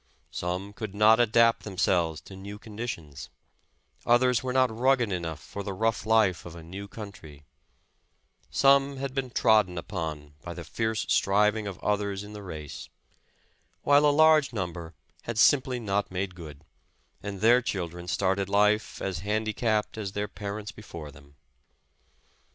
Some could not adapt themselves to new conditions; others were not rugged enough for the rough life of a new country ; some had been trodden upon by the fierce striving of others in the race; while a large number had simply not made 299 The Original John Jacob Astor good, and their children started life as handicapped as their parents before them.